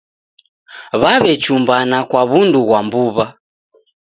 W'aw'echumbana kwa wundu ghwa mbuw'a